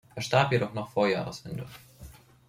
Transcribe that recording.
Es starb jedoch noch vor Jahresende.